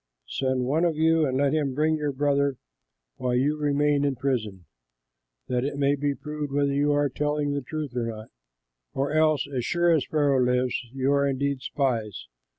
Send one of you, and let him bring your brother, while you remain in prison, that it may be proved whether you are telling the truth or not. Or else, as sure as Pharaoh lives, you are indeed spies."